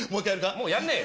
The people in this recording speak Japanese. もうやんねぇよ。